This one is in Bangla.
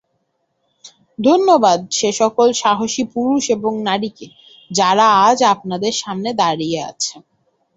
ধন্যবাদ সেসকল সাহসী পুরুষ এবং নারীকে, যারা আজ আপনাদের সামনে দাঁড়িয়ে আছে।